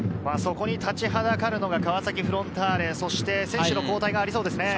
そこに立ちはだかるのが川崎フロンターレ、選手交代がありそうです。